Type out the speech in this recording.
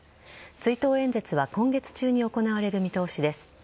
追悼演説は今月中に行われる見通しです。